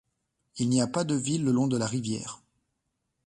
Il n'y a pas de ville le long de la rivière.